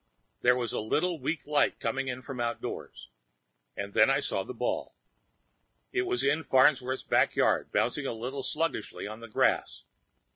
There was a little weak light coming from outdoors. And then I saw the ball. It was in Farnsworth's back yard, bouncing a little sluggishly on the grass.